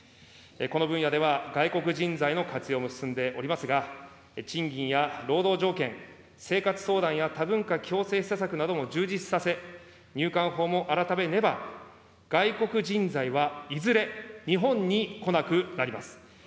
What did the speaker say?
この分野では、外国人材の活用も進んでおりますが、賃金や労働条件、生活相談や多文化共生施策なども充実させ、入管法も改めねば、外国人材はいずれ日本に来なくなります。